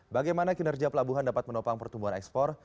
bagaimana kinerja pelabuhan dapat menopang pertumbuhan ekspor